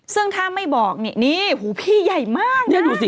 ซึ่งถ้าไม่บอกนี่พี่ใหญ่มากนะ